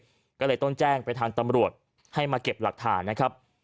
เกิดเหตุก็เลยต้องแจ้งประธานตำรวจให้มาเก็บหลักฐานนะครับ